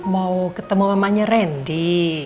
mau ketemu mamanya randy